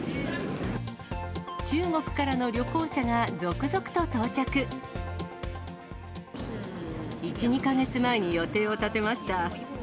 中国からの旅行者が続々と到１、２か月前に予定を立てました。